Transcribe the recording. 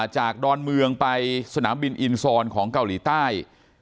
ดอนเมืองไปสนามบินอินซอนของเกาหลีใต้